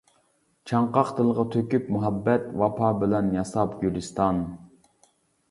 چاڭقاق دىلغا تۆكۈپ مۇھەببەت، ۋاپا بىلەن ياساپ گۈلىستان.